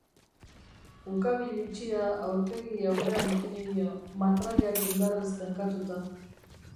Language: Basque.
Ukabil itxia aurpegi aurrean ipini dio, matrailak indarrez tenkatuta.